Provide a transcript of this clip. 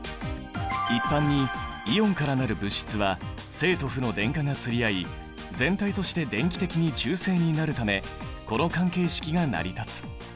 一般にイオンから成る物質は正と負の電荷が釣り合い全体として電気的に中性になるためこの関係式が成り立つ。